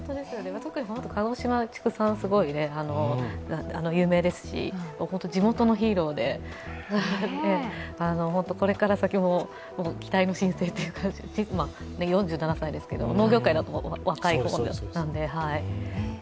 特に鹿児島、畜産すごい有名ですし、地元のヒーローで、これから先も期待の新星というか４７歳ですけど、農業界では若い方なので。